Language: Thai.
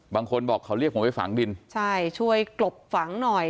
บางคนบอกเขาเรียกผมไปฝังดินใช่ช่วยกลบฝังหน่อย